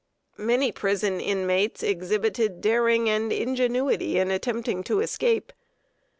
Many prison inmates exhibited daring and ingenuity in attempting to escape.